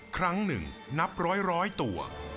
ครั้งหนึ่งนับร้อยตัว